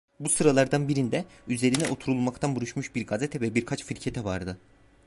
Bu sıralardan birinde, üzerine oturulmaktan buruşmuş bir gazete ve birkaç firkete vardı.